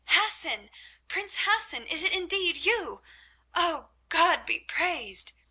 "Hassan! Prince Hassan! Is it indeed you? Oh, God be praised!"